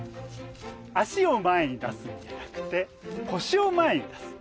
脚を前に出すんじゃなくて腰を前に出す。